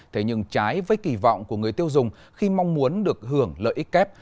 thế nhưng trái với kỳ vọng của người tiêu dùng khi mong muốn được hưởng lợi ích kép